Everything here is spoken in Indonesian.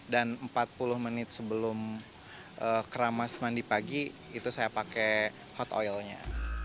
dan empat puluh menit sebelum keramas mandi pagi itu saya pakai hot oil nya